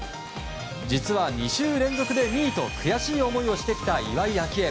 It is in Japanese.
実は２週連続で２位と悔しい思いをしてきた岩井明愛。